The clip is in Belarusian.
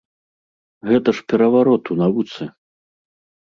Гэта ж пераварот у навуцы!